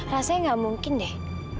rasanya gak mungkin deh